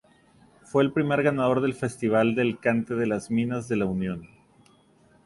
Fue el primer ganador del Festival del Cante de las Minas de La Unión.